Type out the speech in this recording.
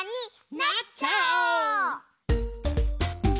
なっちゃおう！